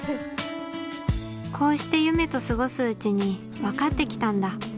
こうして夢と過ごすうちに分かって来たんだ